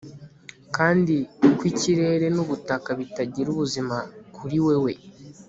Kandi ko ikirere nubutaka bitagira ubuzima kuri wewe